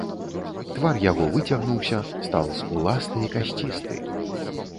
Твар яго выцягнуўся, стаў скуласты і касцісты.